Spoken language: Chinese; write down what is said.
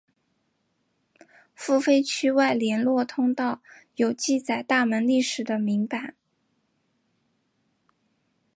付费区外联络通道有记载大门历史的铭版。